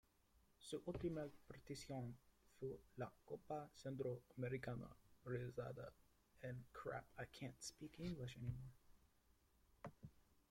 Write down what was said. Su última participación fue la copa centro americana realizada en Estados Unidos.